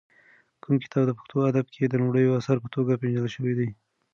کوم کتاب په پښتو ادب کې د لومړي اثر په توګه پېژندل شوی دی؟